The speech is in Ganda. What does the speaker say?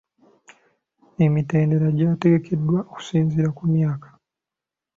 Emitendera gyategekeddwa okusinziira ku myaka.